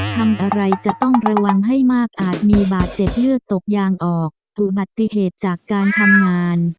ทำอะไรจะต้องระวังให้มากอาจมีบาดเจ็บเลือดตกยางออกอุบัติเหตุจากการทำงาน